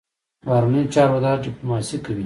بهرنیو چارو وزارت ډیپلوماسي کوي